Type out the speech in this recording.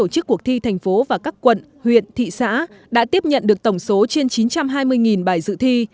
chức cuộc thi thành phố và các quận huyện thị xã đã tiếp nhận được tổng số trên chín trăm hai mươi bài dự thi